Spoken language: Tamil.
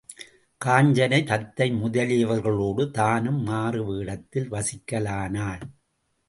காஞ்சனை, தத்தை முதலியவர்களோடு தானும் மாறுவேடத்தில் வசிக்கலானாள்.